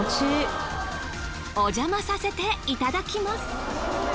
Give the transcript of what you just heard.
おじゃまさせていただきます。